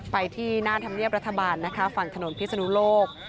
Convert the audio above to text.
ไปที่หน้าธรรมเนียบรัฐบาลนะคะฝั่งถนนพิศนุโลก